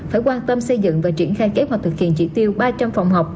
phải quan tâm xây dựng và triển khai kế hoạch thực hiện chỉ tiêu ba trăm linh phòng học